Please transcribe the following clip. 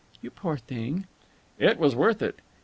"You poor thing!" "It was worth it."